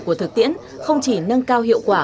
của thực tiễn không chỉ nâng cao hiệu quả